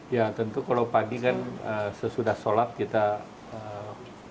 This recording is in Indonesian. ya tentu kalau pagi kan sesudah sholat kita makan